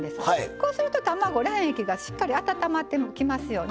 こうすると卵、卵液がしっかり温まってきます。